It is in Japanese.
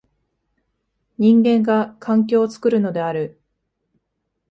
人間が環境を作るのである。